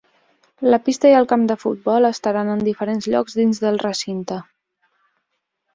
La pista i el camp de futbol estaran en diferents llocs dins del recinte.